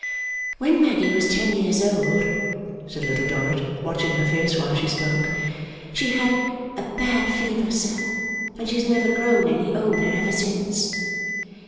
'When Maggy was ten years old,' said Little Dorrit, watching her face while she spoke, 'she had a bad fever, sir, and she has never grown any older ever since.